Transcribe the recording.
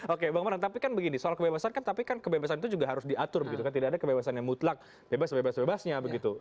oke bang manang tapi kan begini soal kebebasan kan tapi kan kebebasan itu juga harus diatur tidak ada kebebasan yang mutlak bebas bebas bebasnya